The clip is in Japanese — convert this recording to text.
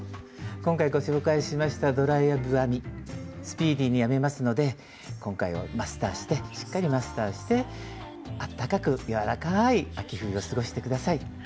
今回ご紹介しましたドライブ編みスピーディーに編めますので今回マスターしてしっかりマスターしてあったかく柔らかい秋冬を過ごして下さい。